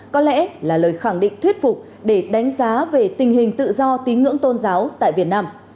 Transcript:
có lẽ là lời khẳng định thuyết phục để đánh giá về tình hình tự do tín ngưỡng tôn giáo tại việt nam